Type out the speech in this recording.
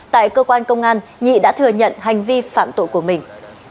tại cơ quan công an nhị đã thừa nhận hành vi phạm tội của mình